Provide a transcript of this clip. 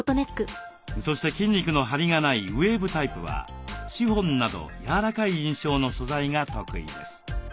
そして筋肉のハリがないウエーブタイプはシフォンなど柔らかい印象の素材が得意です。